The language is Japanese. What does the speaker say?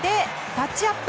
タッチアップ。